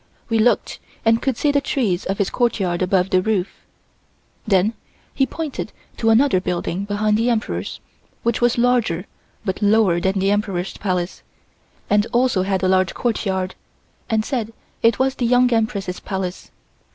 We looked and could see the trees of his courtyard above the roof. Then he pointed to another building behind the Emperor's, which was larger but lower than the Emperor's Palace, and also had a large courtyard, and said it was the Young Empress's Palace.